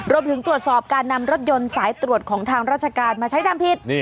รวมถึงตรวจสอบการนำรถยนต์สายตรวจของทางราชการมาใช้ทำผิด